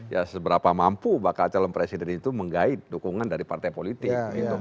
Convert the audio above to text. ya seberapa mampu bakal calon presiden itu menggait dukungan dari partai politik